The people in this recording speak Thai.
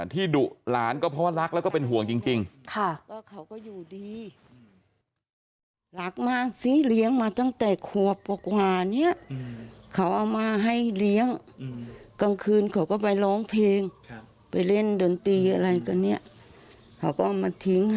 ที่ดุหลานก็เพราะว่ารักแล้วก็เป็นห่วงจริง